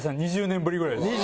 ２０年ぶりぐらいです。